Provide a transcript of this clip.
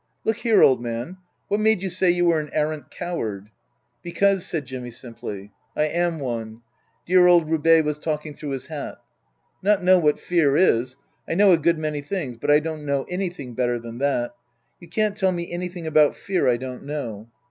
" Look here, old man, what made you say you were an arrant coward ?"" Because," said Jimmy simply, " I am one. Dear old Roubaix was talking through his hat. " Not know what fear is ! I know a good many things, but I don't know anything better than that. You can't tell me anything about fear I don't know.